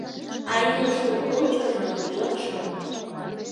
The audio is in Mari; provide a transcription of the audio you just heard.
А илышын кочыжо, йотшо